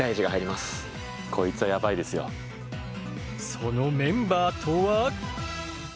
そのメンバーとは？